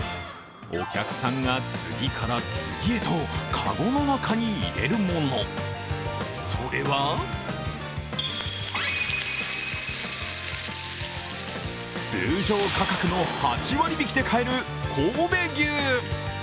お客さんが次から次へとかごの中に入れるもの、それは通常価格の８割引で買える神戸牛。